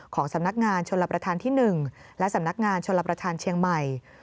ของสำนักงานชนรับประทานที่๑และสำนักงานชนรับประทานเชียงใหม่